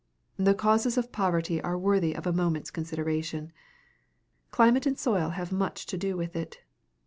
The causes of poverty are worthy a moment's consideration. Climate and soil have much to do with it.